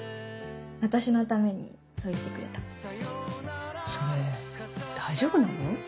私のためにそう言ってくれたそれ大丈夫なの？